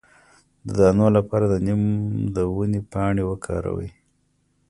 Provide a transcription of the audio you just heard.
د دانو لپاره د نیم د ونې پاڼې وکاروئ